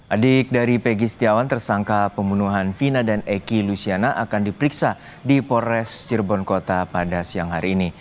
adik dari pegi setiawan tersangka pembunuhan vina dan eki lusiana akan diperiksa di polres cirebon kota pada siang hari ini